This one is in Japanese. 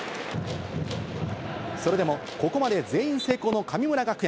それでも、ここまで全員成功の神村学園。